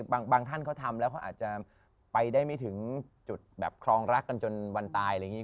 บางท่านเขาทำแล้วเขาอาจจะไปได้ไม่ถึงจุดแบบครองรักกันจนวันตายอะไรอย่างนี้